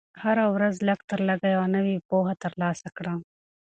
هره ورځ لږ تر لږه یوه نوې پوهه ترلاسه کړه.